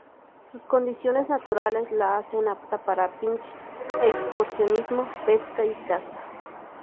Sus condiciones naturales la hacen apta para picnic, excursionismo, pesca y caza.